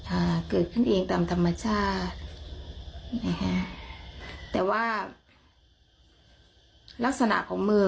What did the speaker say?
อ่าเกิดขึ้นเองตามธรรมชาตินะคะแต่ว่าลักษณะของมือ